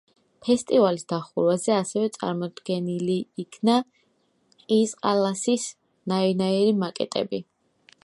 ფესტივალის დახურვაზე ასევე წარმოდგენილი იქნა ყიზყალასის ნაირნაირი მაკეტები.